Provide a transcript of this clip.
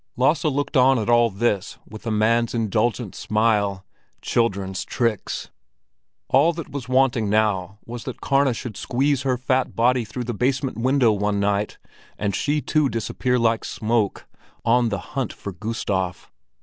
Lasse looked on at all this with a man's indulgent smile—children's tricks! All that was wanting now was that Karna should squeeze her fat body through the basement window one night, and she too disappear like smoke—on the hunt for Gustav.